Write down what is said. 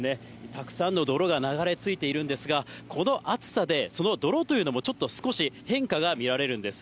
たくさんの泥が流れ着いているんですが、この暑さで、その泥というのもちょっと少し変化が見られるんです。